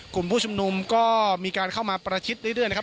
กลุ่มผู้ชุมนุมก็มีการเข้ามาประชิดเรื่อยนะครับ